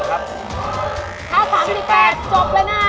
ถ้า๓๘บาทจบแล้วนะ